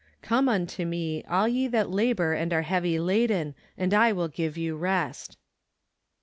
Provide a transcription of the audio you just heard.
" Come unto me, all ye that labor and are heavy laden, and I will give you rest."